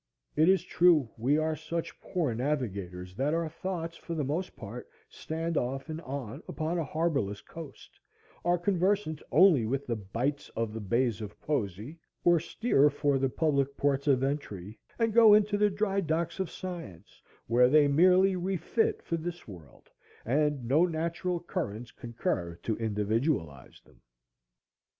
It is true, we are such poor navigators that our thoughts, for the most part, stand off and on upon a harborless coast, are conversant only with the bights of the bays of poesy, or steer for the public ports of entry, and go into the dry docks of science, where they merely refit for this world, and no natural currents concur to individualize them.